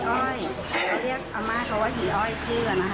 เรียกอาม่าเขาว่าหีอ้อยชื่อนะคะ